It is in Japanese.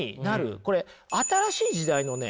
これ新しい時代のね